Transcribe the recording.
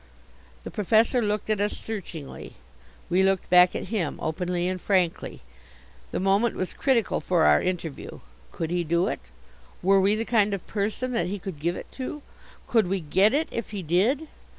The Professor looked at us searchingly. We looked back at him, openly and frankly. The moment was critical for our interview. Could he do it? Were we the kind of person that he could give it to? Could we get it if he did?